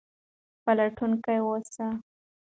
پلټونکي اوسئ.